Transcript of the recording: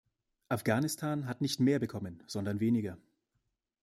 Afghanistan hat nicht mehr bekommen sondern weniger.